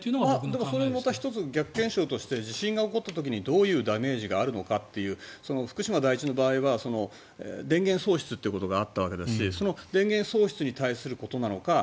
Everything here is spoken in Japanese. でもそれ１つ逆検証として地震が起こった時にどういうダメージがあるのかっていう福島第一の場合は電源喪失ということがあったわけだし電源喪失に対することなのか